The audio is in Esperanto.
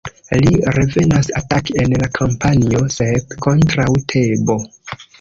Li revenas ataki en la kampanjo "Sep kontraŭ Tebo".